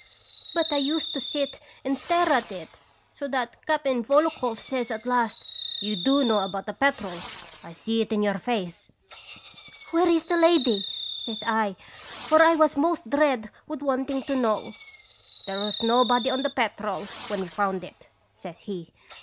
But I used to sit and stare at it so that Cap'n Volokhoff says at last: "* You do know about the Petrel ; I see it in your face.' '" Where is the lady?' says I, for 1 was most dead with wanting to know. "' There was nobody on the Petrel when we found it,' says he.